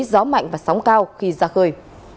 gió mạnh và sóng cao khi ra khơi